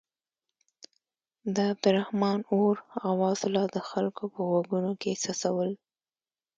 د عبدالرحمن اور اواز لا د خلکو په غوږونو کې څڅول.